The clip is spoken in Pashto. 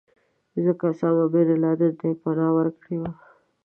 ځکه اسامه بن لادن ته یې پناه ورکړې وه.